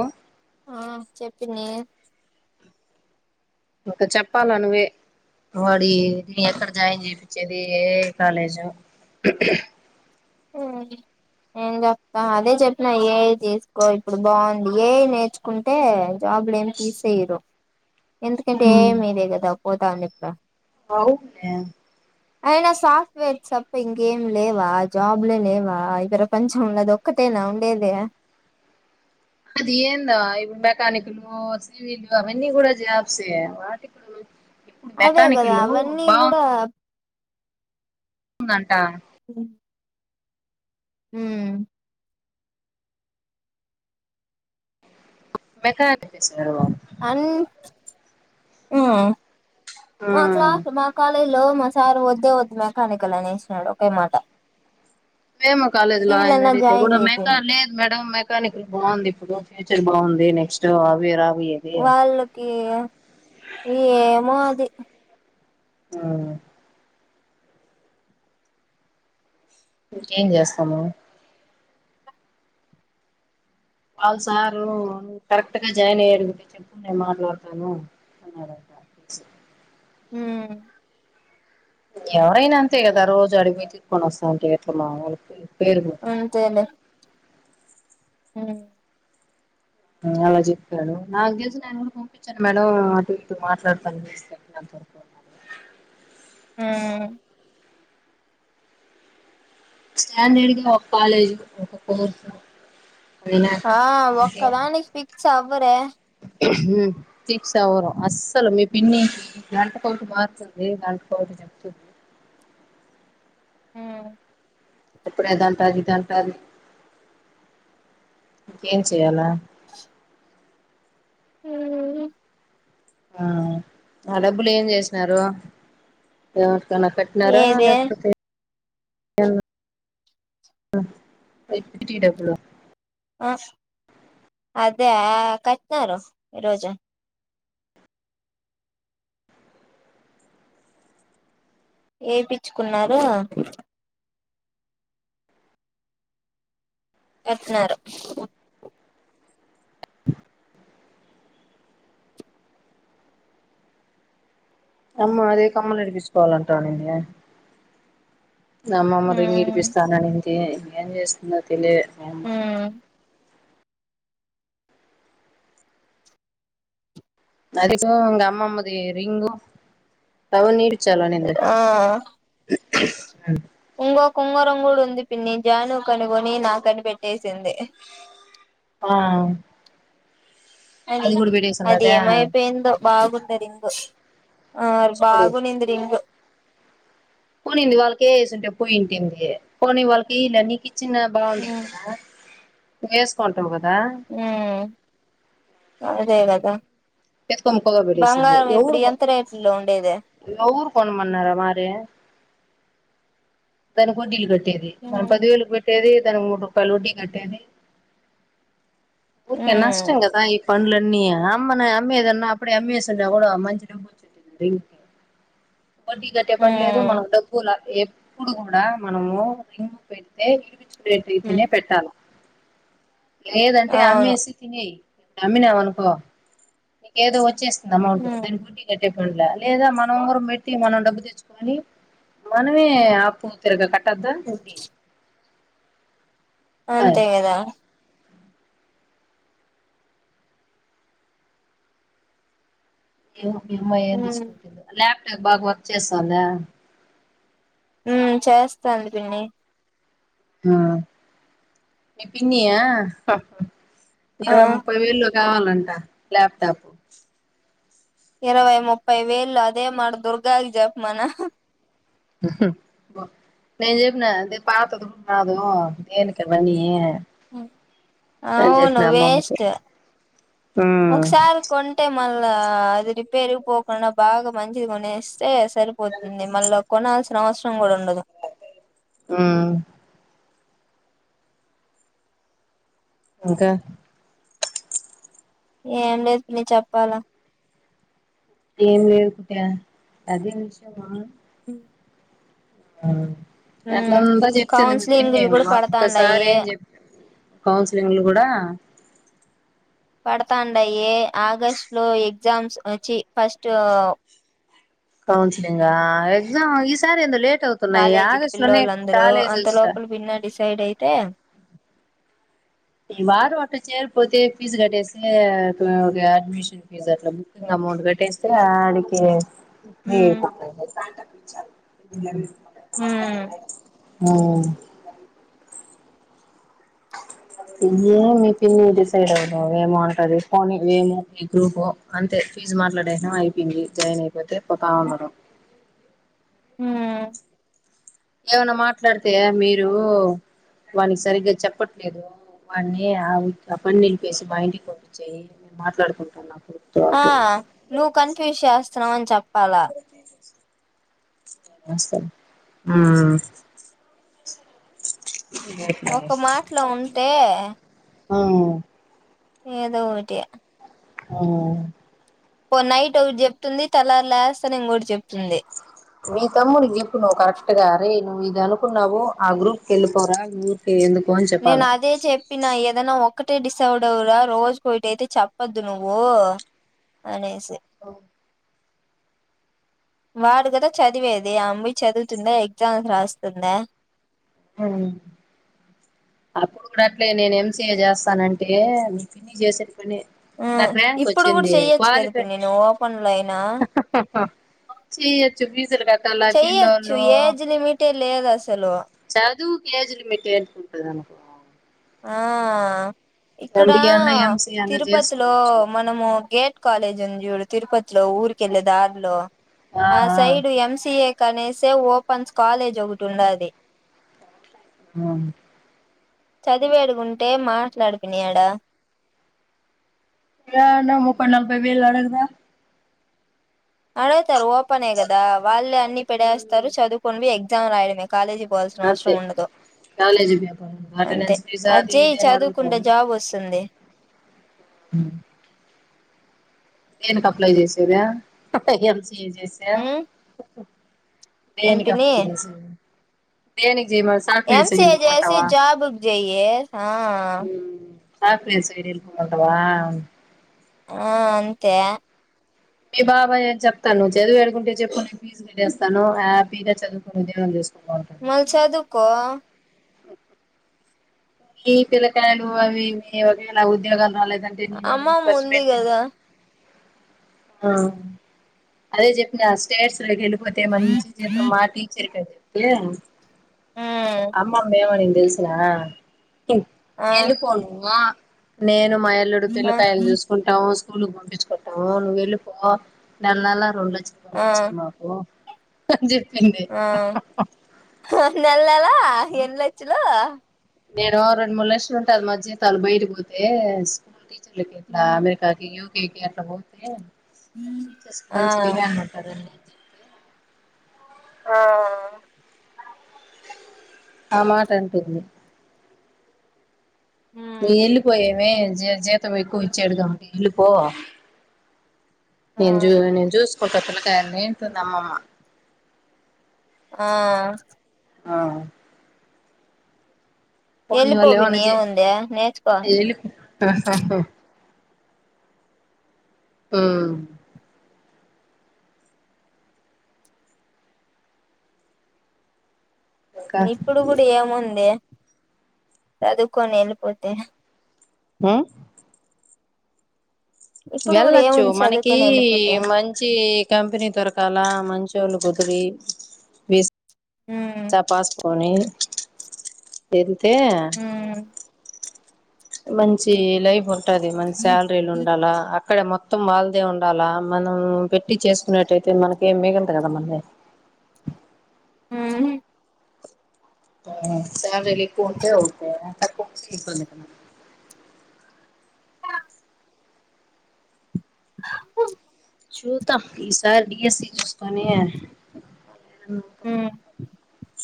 ఒ ఆ చెప్ పిన్ని ఇంక చెప్పాల నువ్వే వాడిని ఎక్కడ జాయిన్ చేపిచ్చేది ఏ కాలేజు మ్ ఏం చెప్తా అదే చెప్పిన ఏ ఐ తీసుకో ఇప్పుడు బాగుంది ఏ ఐ నేర్చ్ కుంటే జాబ్ లేమి తీసేయరు ఎందుకంటే ఏఐ మీదే కదా పోతాంది ఇప్పుడు అవు మే అయినా సాఫ్ట్వేర్ తప్ప ఇంకేం లేవా జాబ్లే లేవా ఈ ప్రపంచం లో అదొక్ ఒక్కతేనా ఉండేది అది ఏందో ఇప్పుడు మెకనిక్లు ఓసి ఇవి అవన్ని కూడా జాబ్ సే వాటికూ ఇప్పుడు అదే కదా మెకానికలేవు అవన్నీ బావు కూడా ఉందంట ఉమ్ ఉమ్ మెకానిక్ ఇసరు అన్ వ్మ్ ఆ మా క్లాస్ మా కాలేజ్ లో మా సార్ వద్దే వద్దు మెకానికల్ అనేసినాడు ఒకే మాట ఫేమ కాలేజ్ సివిల్ లోయన్ని అన్నా అడిగితే జాయిన్ కూడా మెకా చేపియండి లేదు మేడం మే కానిక్ కులు బాగుంది ఇప్పుడు ఫ్యూచర్ బాగుంది నెక్స్ట్ అవీరావి వాళ్ళకి ఈ ఏమో అది ఆ ఇంకేం జేస్తమూ వాళ్ళ సారు కరెక్ట్ గా జాయిన్ అయ్యడిగు చెప్పు నేను మాట్లాడతాను అన్నాడు హ్మ్ ఎవరైనా అంతే గదా రోజు అడికి వొయి తీసుకొని వస్తాంటే [unintelligible] మావులికే పేరు అంతేలే వ్మ్ అలా చెప్పాడు నాకు తెలిసి నాయిన కూడా పంపించాను మేడం అటు ఇటు మాట్లాడుతానికి [unintelligible] వ్మ్ స్టాండర్డ్ గా ఒక కాలేజ్ ఒక కోర్సు అయినా ఆ కరెక్ట్ గా ఒక్కదానికి ఫిక్స్ అవ్వరే వ్మ్ ఫీక్సవ్వర్ అస్సలు మీ పిన్ని గంటకోటి మారుతుంది గంటకోటి చెప్తుంది హ్మ్ ఇప్పుడే అదంటంది ఇదంటాది ఇంకేం చేయాలా ఆ డబ్బులు ఏం చేసినారు ఎవరికన్నా కట్టినారా ఏది లేకపోతే ఎన్ [inaudible] [inaudible] డబ్బులు ఆస్ అదా కట్నారు ఈరోజు ఏ పిచ్చుకున్నారు ఎత్తినారు తమ్మా అదే కమ్మలు ఇడిపించుకోవాలంటానేది నమ్మమ్మ ఉమ్ రింగిడిపిస్తానంది ఇంకేం జేస్తుందో తెలియదు అమ్మ ఆ అదిగో ఇంగ అమ్మమ్మది రింగు అవనీటిచాలనుండే ఆ ఇంగొ కుంగరొంగం కూడా ఉంది పిన్ని జాను కు అని కొని నాకనిపెట్టేసింది. ఆ అని అది కూడా అది పెట్టేసున్నదా ఏమైపేయిందో బాగుంది రింగు ఆ చూడు బాగు నింది రింగు కొనింది వాళ్ళకే వేసింటే పోయింటింది కొని వాళ్ళకే ఇలా నీకు ఇచ్చిన బావుంటది ఉమ్ కదా నువేసుకుంటావు కదా ఉ అదే కదా ఎత్తుకొని పోగా బంగారం ఇప్పుడు ఎంత రేట్లో ఉండేదే ఎవురు కొనమన్నారే మరి దానికి వడ్డీలు కట్టేది మనం హ్మ్ పదివేలకి పెట్టి కట్టేది దానికి మూడు రూపాయలు ఒడ్డి కట్టేది ఊరిక హ్మ్ నష్టం కదా ఎ పంలేన్న అమ్మనే అమ్మయదన్నా అప్పుడే అమ్మయేసున్న కూడా మంచి [unintelligible] ఒడ్టి గట్టే పని లేదు మనకు డబ్బులకు ఏప్ ఇప్పుడు కూడా మనము రింగు పెడితే విడిపించుకునేది అయితేనే హ్మ్ పెట్టాలా లేదంటే అవును అమ్మెసి తినేయ్ ఇ అమ్మినావు అనుకో నీకేదో వచ్చేస్ అమౌంట్ హ్మ్ దానికి వడ్డీ కట్టపుల లేదా మనం ఉంగరం పెట్టి మనం డబ్బు తెచ్చుకొని మనమే ఆపో తిరుగ కట్టద్దు అంతే కదా ఏమో మీ అమ్మాయి ఏం హ్మ్ తేటచుకుంటుందో ల్యాప్టాప్ బాగా వర్క్ చేస్తుందా. ఉమ్ చేస్తాంది పిన్ని ఆ మీ పిన్ని ఆ హహ ఆ ఇరవై ముప్పై వేలో కావాలంట లాప్టాప్ ఇరవై ముప్పై వేలు అదే మది దుర్గది జప్మానా బ నేను జపిన అద పాతదు కూడా కాదు దేనికి కని అవును వేస్ట్ ఉమ్ ఒకసారి కోన్ టే మళ్ళా అది రిపేర్ పోకుండా బాగా మంచిది కొనేస్తే సరి పోతుంది మళ్ళా కొనల్సిన అవసరం కూడా ఉండదు ఊ ఇంకా ఏం లేదు పిన్ని చెప్పాలా ఏం లేదు కుట్టే అదే విషయమా ఉ అట్లాంతా చెప్పింది మీపిన్ని కౌన్సిలింగ్లు కూడా మాకు ఒక్కసారి పడతాండాయి ఏం చెప్ కౌన్సిలింగ్ లు కూడా పడతాండయి ఆగస్ట్ లో ఎగ్జామ్స్ అ చి ఫస్ట్ ఊ కౌన్సిలింగా ఎగ్జామ్ ఈసారి ఏందో లేట్ అవుతు కాలేజీకి పిల్లోళ్ళు అందరూ అంత స్టా లోపల భిన్న డిసైడ్ అయితే ఈ వారం ఒకటి చేరిపోతే ఫీజ్ కట్టేసి అ ఒ గా అడ్మిషన్ ఫీజు అట్లా బుకింగ్ అమౌంట్ కట్టేస్తే ఆడికి హ్మ్ హ్మ్ ఆ ఏమీ మీ పిన్ని డిసైడ్ అవుతాది ఏమో అంటది పోనీ ఏమో ఏ గ్రూపో అంతే ఫీజ్ మాట్లాడేసాం అయిపోయింది జాయిన్ అయిపోతే పోతా ఉన్నారు ఆ ఏమన్నా మాట్లాడితే మీరు వానికి సరిగ్గా చెప్పట్లేదు వాని ఆగు అక్కనె నిలిపేసి బయటకి పంపించేయ్ మేము మాట్లాడుకుంటాం అప్పుడు ఆ నువ్వు కన్ఫ్యూజ్ చేస్తున్నావ్ అని చెప్పాలా నమస్తే ఊ ఇగ ఒక మాట్లో ఉంటే ఆవ్ ఏదోవోటి ఆ పో నైట్ ఒకటి చెప్తుంది తెల్లారి లేస్తానే ఇంకోటి చెప్తుంది మీ తమ్ముడి చెప్పు నువ్వు కరెక్ట్ గా రేయ్ నువ్వు ఇది అనుకున్నావు ఆ గ్రూప్ కి ఎళ్ళిపోరా మీ పి ఎందుకో అని నేను చెప్పాలా అదే చె ప్పినా ఏదన్నా ఒక్కటే డిసౌడ్ అవ్వురా రోజుకు ఓటి అయితే చెప్పద్దు నువ్వు అనేసి ఓ వాడు కదా చదివేది ఆ ఆమె పొయ్యి చదువుతుందా ఎగ్జామ్స్ రాస్తుందా అవును అప్పుడు కూడా అట్లే నేను ఎం సీ ఏ చేస్తానంటే మీ పిన్ని చేసిన పని ఆ నాకు ర్యాంక్ వచ్చింది క్వాలిఫై కొన్లై హహహ సి హెచ్చు ఫీజులు కట్టాల చెయ్యొచ్చు పిళ్ళోళ్ళు ఏజ్ లిమిటే లేదు అసలు చదువుకు ఏజ్ లిమిటు ఏంటికి ఉంటుంది అనుకో ఆ ఇక్కడ ఎంబిఏ అన్నా ఎంసిఏ అన్నా తిరుపతిలో చేసుకోవచ్చు మ మనము గేట్ కాలేజ్ ఉంది చూడు తిరుపతిలో ఊరికి ఎళ్ళే దారిలో ఆ సైడు ఎం సీ ఏ కనేసే ఓపెన్స్ కాలేజ్ ఒకటి ఉండాది ఆ చదివేడుగుంటే మాట్లాడు పిన్ని ఆడ యాడనా ముప్పై నలభై వేలు అడగదా అడగుతారు ఓపెనే కదా వాళ్లే అన్నీ పెడేస్తారు చదువుకోని పోయి ఎగ్జామ్ రాయడమే కాలేజీకి పోవాల్సిన అవసరం అంతే ఉండదు కాలేజ్ పేపర్ అంతే అటెండెన్స్ ఫీజు అది చెయ్ ఇది అని చదువుకుంటే అడుగుతారు జాబ్ వస్తుంది హూ దేనికి అప్లై చేసేదా ఎం సి ఏ చేసి ఉమ్ దేనికి ఎంపిని అప్లై చేసేది దేనికి చెయ్ మాస్ ఎం సి ఏ జేసి జాబుకు చెయ్యి ఆ సాఫ్ట్వేర్ సైడ్ ఎళ్ళిపోమంటవా ఆ అంతే మీ బాబాయ్ ఎం చెప్తాడు నువ్ చదువేడుగుంటే చెప్పు నేను ఫీ ఫీస్ కటేస్తాను హ్యాపీ గా చదువుకోని ఉద్యోగం చేసు [inaudible] మల్లి చదువుకో ఈ పిల్లకాయలు అవి ఇవి ఒకేలాగా ఉద్యోగాలు రాలేదంటే నీమీద ఎంత అమ్మమ్మ ఖర్చు ఉంది పెడ్తిని కదా ఆ అదే చెప్పినా స్టేట్స్ లోకి ఎళ్ళిపోతే మంచి జీతం ఉమ్ మా టీచర్ కి అయితే తే అమ్మమ్మ ఏం అనింది తెలుసునా ఆ ఆ ఎళ్ళిపో నువ్వు నేను మా అల్లుడు పిల్లకాయలు చూసు కుంటాము స్కూలుకు పంపిచ్చుకుంటాము నువ్వు ఎళ్ళిపో నెల నెలా రెండు లచ్చలు ఆ పంపిచ్చేయి మా ఓ అని చెప్పింది హొ నెల నెలా ఎన్ని లచ్చలు నేను రెండు మూడు లక్షలు ఉంటాది మా జీతాలు బయట పోతే స్కూల్ టీచర్లకి ఇట్లా అనే కాకి యూ కే కి అట్లా పోతే టీచర్స్ కి ఆ ఆ మంచి డిమాండ్ ఉంటాదని ఆ ఆ మాట అంటుంది ఉమ్ ఇగ వెళ్లిపోయామే జ జీతం ఎక్కువ ఇచ్చెట్టుగుంటే ఎల్లిపో ఆ నేను జు నేను జస్కుంటా అంటుంది పిల్లకాయల్ని అంటుంది అమ్మమ్మ ఆ ఆ పోనీ వెళ్ళిపో వాళ్లేమన్న పిన్ని జీ ఏముంది నేర్చుకో ఎల్లిపో మ్మ్ ఇంకా ఇప్పుడు కూడా ఏముందే చదువుకొని వెళ్ళిపోతే మ్మ్ ఇప్పుడు కూడా వెళ్ళచ్చు ఏముంది మనకి చదువుకొని వెళ్ళిపోతే మంచి కంపెనీ దొరకాల మంచోళ్లు కుదిరి ఉమ్ [inaudible] కోనీ వెళ్తే మ్మ్ మంచి లైఫ్ ఉంటది మంచి సాల రీలు ఉండాలా అక్కడ మొత్తం వాళ్ళదే ఉండాలా మనం పెట్టి చేసుకున్నట్యితే మనకి ఏం మిగలదు కదా మళ్ళీ హ ఆ సాలరీ లు ఎక్కువ ఉంటే ఓకే లేకపోతే ఇబ్బంది అయితది నాకి అ చూద్దాం ఈసా సారికి డి ఎస్ సి చూసుకొని మ్మ్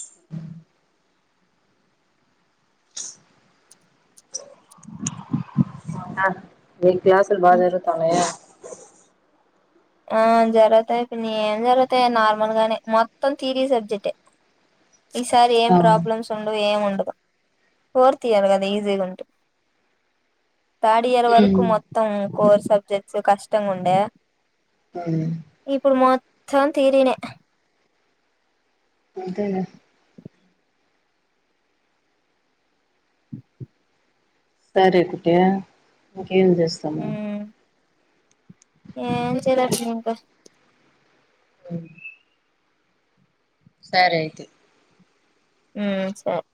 మీ క్లాసులు బాగా జరుగుతన్నాయా ఆ జరుగుతాయి పిన్ని ఏం జరుగుతాయి నార్మల్ గానే మొత్తం తిరీ సబ్జెక్టే ఈసారి ఏం ప్రాబ్లమ్స్ ఉండవు ఏం ఉండదు ఫోర్త్ ఇయర్ కదా ఈజీగా ఉంటు థర్డ్ ఇయర్ వరకు మొత్తం కోర్ సబ్జెక్ట్స్ కష్టంగా ఉండే మ్మ్ ఇప్పుడు మొత్తం తీరినే అంతేలే సరే కుట్టి ఇంకేం చేస్తాము ఏం చెయ్యలేం ఇంకా మ్మ్ సరే అయితే మ్మ్ సర్